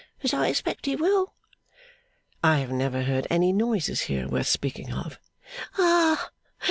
As I expect he will.' 'I have never heard any noises here, worth speaking of.' 'Ah!